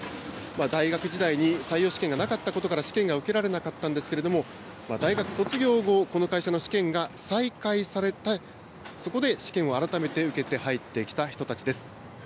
大学時代に採用試験がなかったことから、試験が受けられなかったんですけれども、大学卒業後、この会社の試験が再開されて、そこで試験を改めて受けて入ってきた人たちです。